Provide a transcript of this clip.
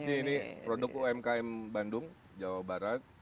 ini produk umkm bandung jawa barat